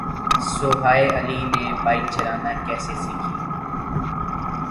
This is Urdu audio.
سوہائے علی نے بائیک چلانا کیسے سیکھی